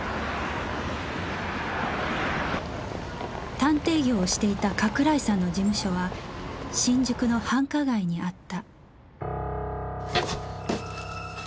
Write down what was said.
探偵業をしていた加倉井さんの事務所は新宿の繁華街にあった